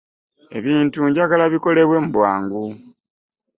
Ebintu njagala bikolebwe mu bwangu.